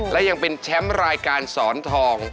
และยังเป็นแชมป์รายการสอนทอง